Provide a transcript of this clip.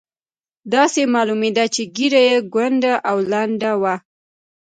داسې معلومېده چې ږیره یې کونډۍ او لنډۍ وه.